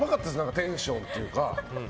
テンションというか。